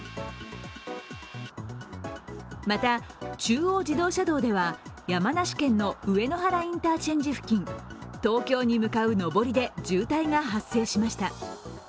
また、中央自動車道では山梨県の上野原インターチェンジ付近、東京に向かう上りで渋滞が発生しました。